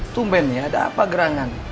tumpen ya ada apa gerangan